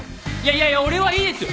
いやいや俺はいいですよ。